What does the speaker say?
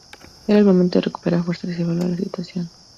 Era el momento de recuperar fuerzas y evaluar la situación.